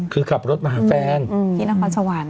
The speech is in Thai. คือขับรถมาหาแฟนที่นครสวรรค์